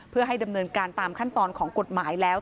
เพื่อให้ดำเนินการตามขั้นตอนของกฎหมายแล้ว